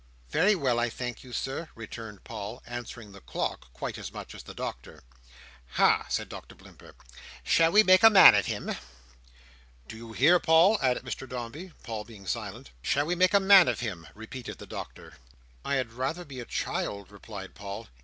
"Very well, I thank you, Sir," returned Paul, answering the clock quite as much as the Doctor. "Ha!" said Doctor Blimber. "Shall we make a man of him?" "Do you hear, Paul?" added Mr Dombey; Paul being silent. "Shall we make a man of him?" repeated the Doctor. "I had rather be a child," replied Paul.